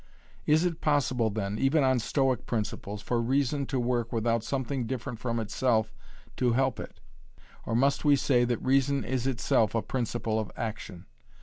Is it possible then, even on Stoic principles, for reason to work without something different from itself to help it? Or must we say that reason is itself a principle of action?